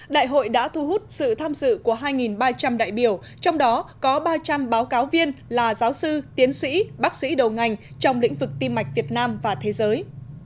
đại hội đã thu hút sự tham dự của hai ba trăm linh đại biểu trong đó có ba trăm linh báo cáo viên là giáo sư tiến sĩ bác sĩ đầu ngành trong lĩnh vực tim mạch việt nam và thế giới